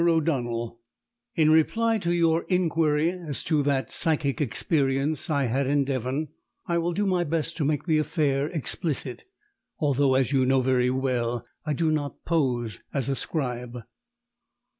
O'DONNELL, In reply to your inquiry as to that psychic experience I had in Devon, I will do my best to make the affair explicit, although, as you know very well, I do not pose as a scribe.